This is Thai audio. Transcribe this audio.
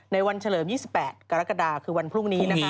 วันเฉลิม๒๘กรกฎาคือวันพรุ่งนี้นะคะ